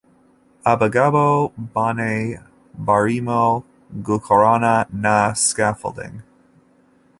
Abagabo bane barimo gukorana na scafolding